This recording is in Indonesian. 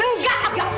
enggak enggak boleh